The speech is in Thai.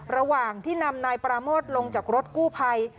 ระหว่างที่นำนายปราโมทลงจากรถกู้ภัย